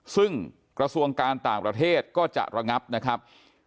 ซึ่งกระทรวงการต่างประเทศก็จะระงับนะครับ